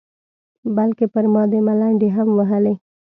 بلکې پر ما دې ملنډې هم وهلې.